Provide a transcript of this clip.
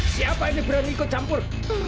siapa ini berani ikut campur